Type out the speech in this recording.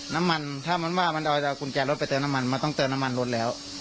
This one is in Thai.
น้ำมันถ้ามันว่ามันเอากุญแจรถไปเติมน้ำมันมันต้องเติมน้ำมันรถแล้ว